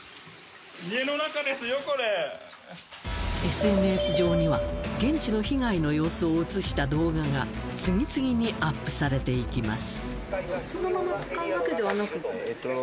ＳＮＳ上には現地の被害の様子を映した動画が次々にアップされて行きます